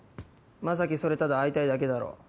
将希それただ会いたいだけだろ？